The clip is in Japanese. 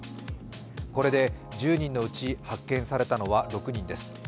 これで１０人のうち発見されたのは６人です。